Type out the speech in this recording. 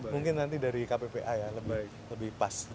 mungkin nanti dari kppa ya lebih pas